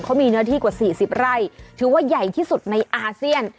เขามีเนื้อที่กว่า๔๐ไร่ถือว่าใหญ่ที่สุดในอาเซียน